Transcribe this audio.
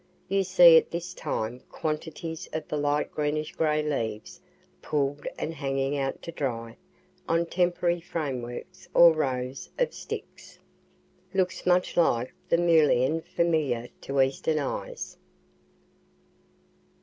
You see at this time quantities of the light greenish gray leaves pulled and hanging out to dry on temporary frameworks or rows of sticks. Looks much like the mullein familiar to eastern eyes.